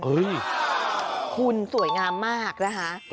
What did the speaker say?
คุณสวยงามมากนะคะ